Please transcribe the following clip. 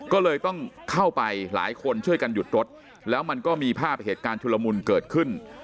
ก็เลยต้องเข้าไปหลายคนช่วยกันหยุดรถแล้วมันก็มีภาพเหตุการณ์ชุลมุนเกิดขึ้น